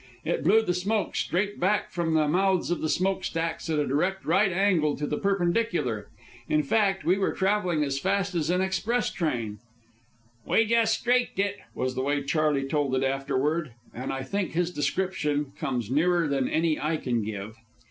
It blew the smoke straight back from the mouths of the smoke stacks at a direct right angle to the perpendicular. In fact, we were travelling as fast as an express train. "We just streaked it," was the way Charley told it afterward, and I think his description comes nearer than any I can give.